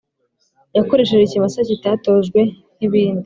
yakoresheje ikimasa kitatojwe nkibindi